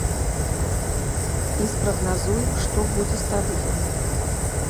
І спрагназуем, што будзе з тарыфамі.